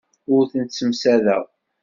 Ur tent-ssemsadeɣ.